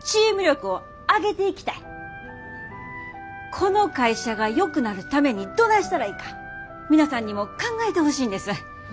この会社がよくなるためにどないしたらいいか皆さんにも考えてほしいんです。